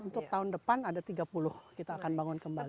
untuk tahun depan ada tiga puluh kita akan bangun kembali